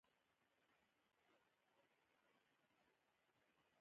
زه د دونۍ په ورځ د کورني ډاکټر سره وخت لرم